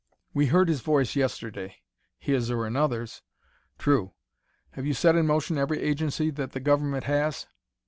"We heard his voice yesterday." "His or another's." "True. Have you set in motion every agency that the government has?"